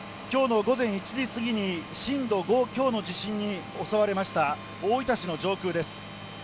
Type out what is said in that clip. きょうの午前１時過ぎに、震度５強の地震に襲われました、大分市の上空です。